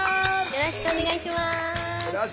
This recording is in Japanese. よろしくお願いします。